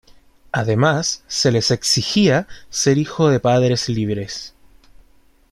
Además se les exigía ser hijos de padres libres.